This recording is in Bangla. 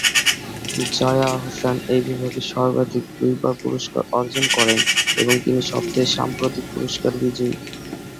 জয়া আহসান এই বিভাগে সর্বাধিক দুইবার পুরস্কার অর্জন করেন এবং তিনি সবচেয়ে সাম্প্রতিক পুরস্কার বিজয়ী।